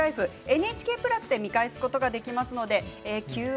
ＮＨＫプラスで見返すことができます。